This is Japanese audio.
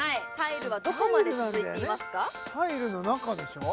はいタイルの中でしょ？